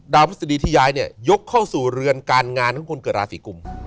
พฤษฎีที่ย้ายเนี่ยยกเข้าสู่เรือนการงานของคนเกิดราศีกุม